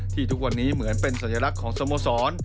ทุกวันนี้เหมือนเป็นสัญลักษณ์ของสโมสร